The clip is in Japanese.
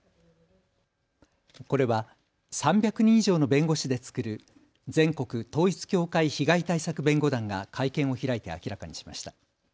これは３００人以上の弁護士で作る全国統一教会被害対策弁護団が会見を開いて明らかにしました。